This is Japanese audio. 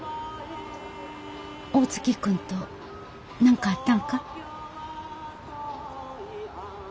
大月君と何かあったんか？